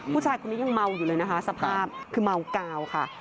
ผู้ชายคนนี้ยังเมาอยู่เลยนะคะสภาพคือเมากาวค่ะ